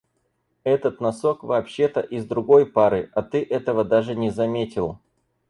Этот носок вообще-то из другой пары, а ты этого даже не заметил.